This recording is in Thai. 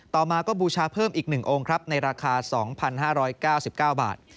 ต่อมาก็บูชาเพิ่มอีก๑องค์ครับในราคา๒๕๙๙บาท